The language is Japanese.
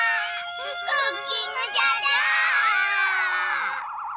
クッキングじゃじゃー。